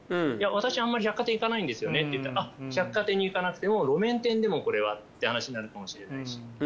私あんまり百貨店行かないんですよねって言ったら百貨店に行かなくても路面店でもこれはって話になるかもしれないし。